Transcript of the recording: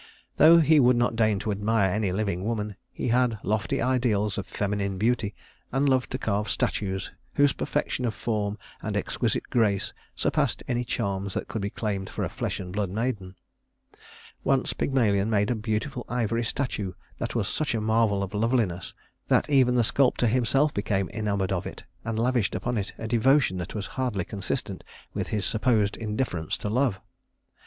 Though he would not deign to admire any living woman, he had lofty ideals of feminine beauty, and loved to carve statues whose perfection of form and exquisite grace surpassed any charms that could be claimed for a flesh and blood maiden. Once Pygmalion made a beautiful ivory statue that was such a marvel of loveliness that even the sculptor himself became enamored of it, and lavished upon it a devotion that was hardly consistent with his supposed indifference to love.